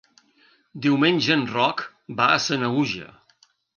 Diumenge en Roc va a Sanaüja.